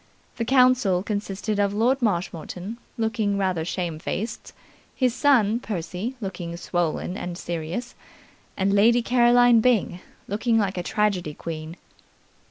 The council consisted of Lord Marshmoreton, looking rather shamefaced, his son Percy looking swollen and serious, and Lady Caroline Byng, looking like a tragedy queen.